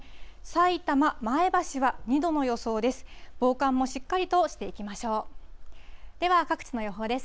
さいたま、前橋は２度の予想です。